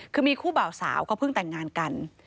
คือมีคู่บ่าวสาวก็เพิ่งแต่งงานกัน